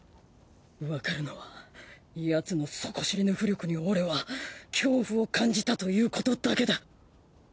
わかるのはヤツの底知れぬ巫力に俺は恐怖を感じたということだけだ。